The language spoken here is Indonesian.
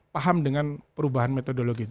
paham dengan perubahan metodologi